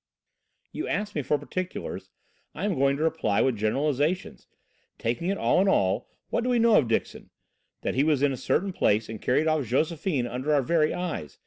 "You ask me for particulars. I am going to reply with generalisations. Taking it all in all, what do we know of Dixon? That he was in a certain place and carried off Josephine under our very eyes.